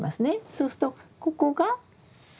そうするとここが３段目。